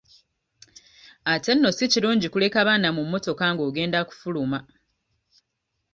Ate nno si kirungi kuleka baana mu mmotoka ng'ogenda kufuluma.